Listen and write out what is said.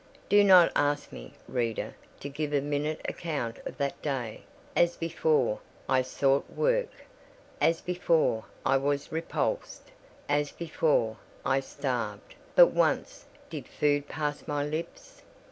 Do not ask me, reader, to give a minute account of that day; as before, I sought work; as before, I was repulsed; as before, I starved; but once did food pass my lips.